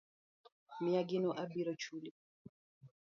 Miya gino abiro chuli.